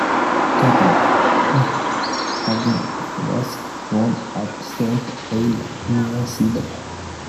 Cappel, a Huguenot, was born at Saint Elier, near Sedan.